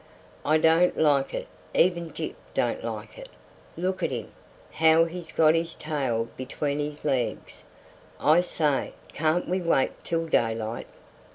"I don't like it; even Gyp don't like it. Look at him, how he's got his tail between his legs. I say, can't we wait till daylight?"